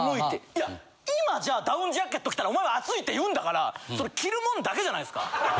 いや今じゃあダウンジャケット着たらお前は暑いって言うんだからそれ着るもんだけじゃないですか。